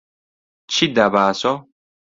چیت دا بە ئاسۆ؟